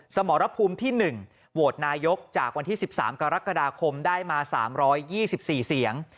สมรภูมิที่๑โหวตนายกจากวันที่๑๓กรกฎาคมได้มา๓๒๔เสียง